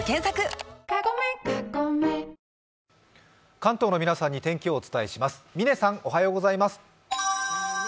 関東の皆さんに天気予報をお伝えします。